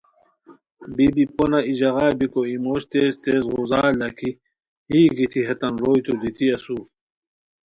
بی بی پونہ ای ژاغا بیکو ای موش تیز تیز غوزار لاکھی یی گیتی ہیتان روئیتو دیتی اسور